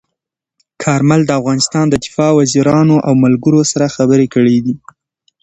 کارمل د افغانستان د دفاع وزیرانو او ملګرو سره خبرې کړي.